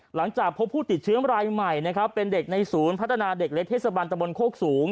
หลังจากพบผู้ติดเชื้อรายใหม่นะครับเป็นเด็กในศูนย์พัฒนาเด็กเล็กเทศบันตะบนโคกสูง